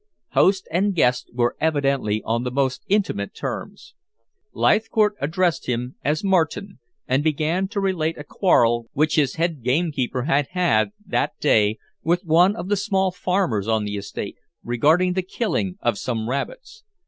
Host and guest were evidently on the most intimate terms. Leithcourt addressed him as "Martin," and began to relate a quarrel which his head gamekeeper had had that day with one of the small farmers on the estate regarding the killing of some rabbits.